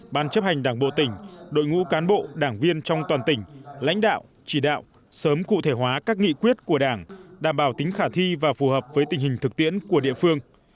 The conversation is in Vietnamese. ban chấp hành đảng bộ tỉnh đội ngũ cán bộ đảng viên trong toàn tỉnh lãnh đạo chỉ đạo sớm cụ thể hóa các nghị quyết của đảng đảm bảo tính khả thi và phù hợp với tình hình thực tiễn của địa phương